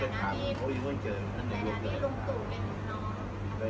เหตุอาหารได้เหตุอาหารได้ลงตรงไต้แล้วกัน